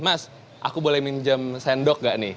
mas aku boleh minjam sendok gak nih